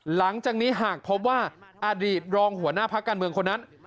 หลังจากนี้หากพบว่าอดีตรองหัวหน้าพักการเมืองคนนั้น